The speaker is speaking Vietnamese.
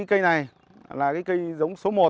cây này là cái cây giống số một